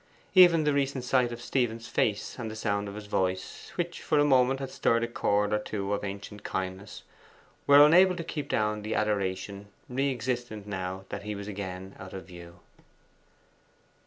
Even the recent sight of Stephen's face and the sound of his voice, which for a moment had stirred a chord or two of ancient kindness, were unable to keep down the adoration re existent now that he was again out of view.